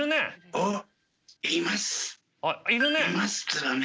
あっいるね！